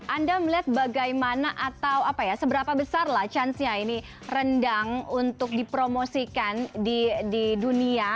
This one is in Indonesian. anda melihat bagaimana atau seberapa besar lah chance nya ini rendang untuk dipromosikan di dunia